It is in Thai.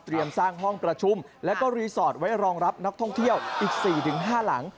เตรียมสร้างห้องประชุมแล้วก็รีสอร์ทไว้รองรับนักท่องเที่ยวอีกสี่ถึงห้าหลัง